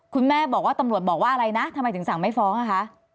คุณแม่บอกว่าตำรวจบอกว่าอะไรนะทำไมถึงสั่งไม่ฟ้องอ่ะคะ